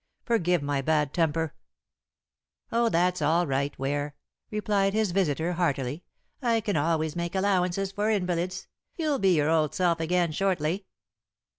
Forgive my bad temper." "Oh, that's all right, Ware," replied his visitor heartily. "I can always make allowances for invalids. You'll be your old self again shortly."